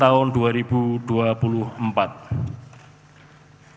dalam pemilihan umum tahun dua ribu dua puluh empat